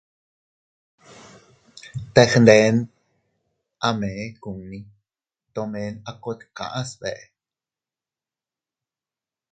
Teg nden a mee kunni, tomen a kot kaʼa sbeʼe.